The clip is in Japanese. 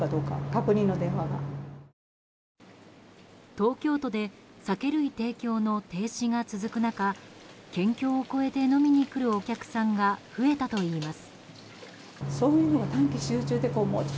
東京都で酒類提供の停止が続く中県境を越えて飲みに来るお客さんが増えたといいます。